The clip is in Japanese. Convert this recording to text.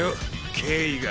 敬意が。